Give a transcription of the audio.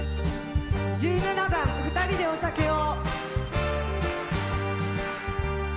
１７番「二人でお酒を」。